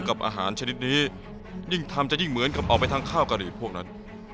กับอาหารชนิดนี้ยิ่งทำจะยิ่งเหมือนกับออกไปทางข้าวกะหรี่พวกนั้น